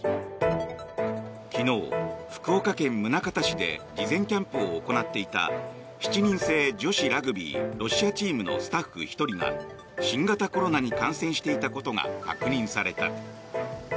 昨日、福岡県宗像市で事前キャンプを行っていた７人制女子ラグビーロシアチームのスタッフ１人が新型コロナに感染していたことが確認された。